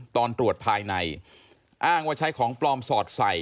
ตอนตรวจภายในอ้างว่าใช้ของปลอมสอดใส่